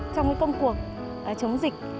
trong cuộc chống dịch